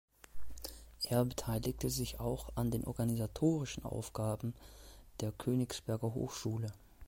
Er beteiligte sich auch an den organisatorischen Aufgaben der Königsberger Hochschule.